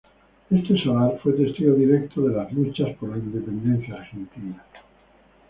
Este solar fue testigo directo de las luchas por la independencia argentina.